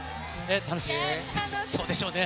そうでしょうね。